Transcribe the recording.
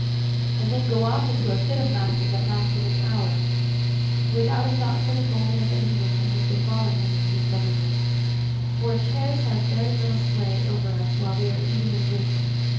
and then go off into a fit of laughter that lasted an hour, without a thought for the moment of anything that had befallen him in his government; for cares have very little sway over us while we are eating and drinking.